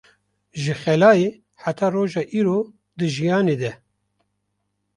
Ji xelayê heta roja îro di jiyanê de